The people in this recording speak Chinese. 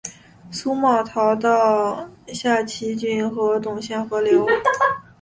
苏茂逃到下邳郡和董宪合流。